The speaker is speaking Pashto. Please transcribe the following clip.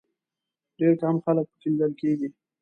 ډېر کم خلک په کې لیدل کېږي.